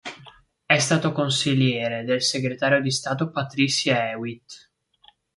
È stato consigliere del segretario di Stato Patricia Hewitt.